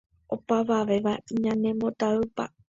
Opavavéva ñanembotavypa.